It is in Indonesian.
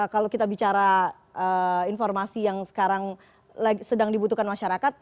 kalau kita bicara informasi yang sekarang sedang dibutuhkan masyarakat